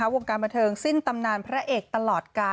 วงการบันเทิงสิ้นตำนานพระเอกตลอดกาล